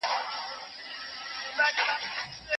که د بدن ټول عضلات ونه کارول شي، ځواک کمېږي.